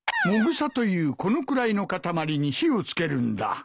もぐさというこのくらいの固まりに火をつけるんだ。